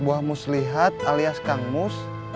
buah muslihat alias kamus